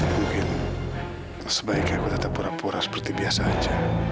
mungkin sebaiknya aku tetap pura pura seperti biasa saja